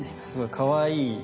すごいかわいい。